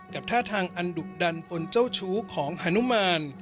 ท่าทางอันดุดันปนเจ้าชู้ของฮานุมาน